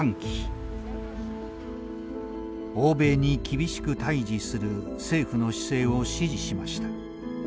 欧米に厳しく対じする政府の姿勢を支持しました。